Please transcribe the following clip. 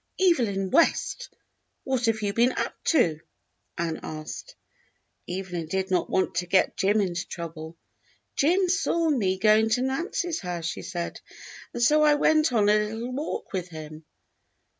"Evelyn West, what have you been up to?" Ann asked. Evelyn did not want to get Jim into trouble. "Jim saw me going to Nancy's house," she said, "and so I went on a little walk with him."